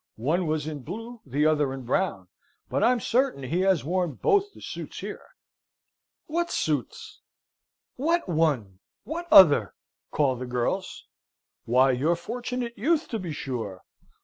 One was in blue, the other in brown; but I'm certain he has worn both the suits here." "What suits?" "What one, what other?" call the girls. "Why, your fortunate youth, to be sure."